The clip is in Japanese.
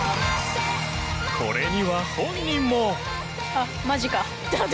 これには、本人も。